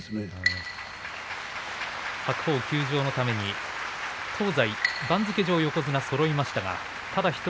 白鵬休場のために東西、番付上横綱そろいましたがただ１人